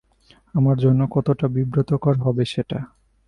আমার জন্য কতটা বিব্রতকর হবে সেটা?